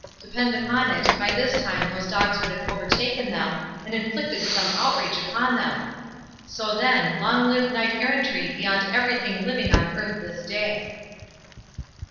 Depend upon it, by this time those dogs would have overtaken them and inflicted some outrage upon them. So, then, long live knight errantry beyond everything living on earth this day!"